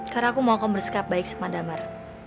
karena aku mau kau bersikap baik sama damar